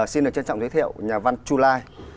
xin được trân trọng giới thiệu nhà văn chu lai